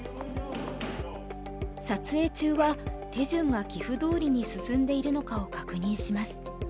撮影中は手順が棋譜どおりに進んでいるのかを確認します。